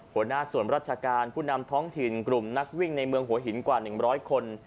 หัวหน้าส่วนราชการผู้นำท้องถิ่นกลุ่มนักวิ่งในเมืองหัวหินกว่า๑๐๐คน